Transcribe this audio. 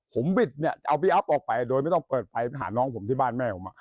ผมบิดเนี่ยจะเอาพี่อัพออกไปโดยไม่ต้องเปิดไฟหาน้องผมที่บ้านแม่ผม